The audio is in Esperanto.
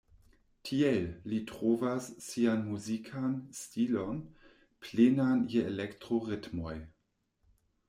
Tiel, li trovas sian muzikan stilon plenan je elektro-ritmoj.